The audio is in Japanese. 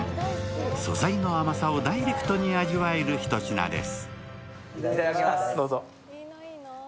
素材の甘さをダイレクトに味わえるひと品です。